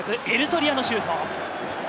エルソリアのシュート。